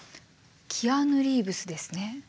キアヌ・リーブスですね。